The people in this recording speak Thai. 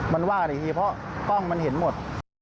มันว่ากันอีกทีเพราะกล้องมันเห็นหมด